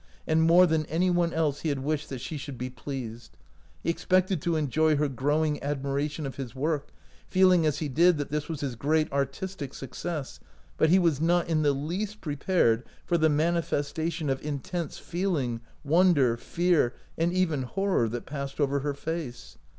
And more than any one else he had wished that she should be pleased. He expected to enjoy her growing admira tion of his work, feeling as he did that this was his great artistic success; but he was not in the least prepared for the manifesta tion of intense feeling, wonder, fear, and even horror that passed over her face.